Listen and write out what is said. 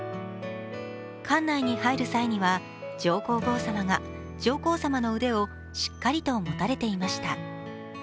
館内に入る際には上皇后さまが上皇さまの腕をしっかりと持たれていました。